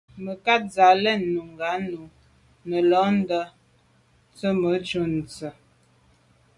Mə̀kát sə̌ lá’ nùngá nǔ nə̀ lódə tsə̀mô shûn tsə́.